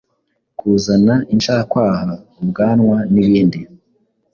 kuzana, incakwaha, ubwanwa n’ibindi